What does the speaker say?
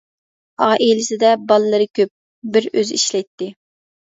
ئائىلىسىدە بالىلىرى كۆپ، بىر ئۆزى ئىشلەيتتى.